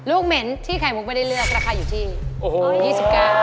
เหม็นที่ไข่มุกไม่ได้เลือกราคาอยู่ที่๒๙บาท